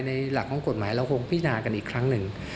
หลักของกฎหมายเราคงพินากันอีกครั้งหนึ่ง